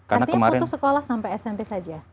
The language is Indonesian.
artinya putus sekolah sampai smp saja